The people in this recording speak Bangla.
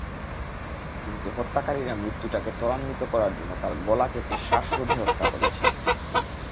কিন্তু হত্যাকারীরা মৃত্যুটাকে ত্বরান্বিত করার জন্য তার গলা চেপে শ্বাসরোধে হত্যা করেছে।